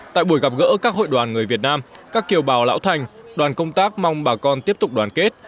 tại buổi gặp gỡ các hội đoàn người việt nam các kiều bào lão thành đoàn công tác mong bà con tiếp tục đoàn kết